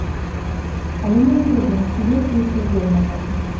Але мы не ведаем, ці ёсць у іх дазвол на гэта.